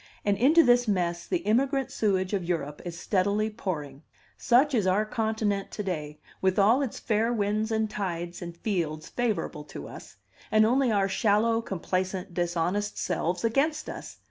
And into this mess the immigrant sewage of Europe is steadily pouring. Such is our continent to day, with all its fair winds and tides and fields favorable to us, and only our shallow, complacent, dishonest selves against us!